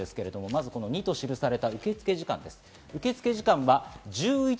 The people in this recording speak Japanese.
まず２とされた受付時間です。